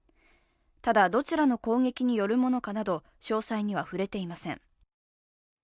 ただ、どちらの攻撃によるものかなど、詳細には触れていません。